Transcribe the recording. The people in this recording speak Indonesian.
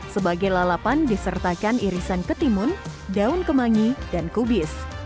sebagai lalapan disertakan irisan ketimun daun kemangi dan kubis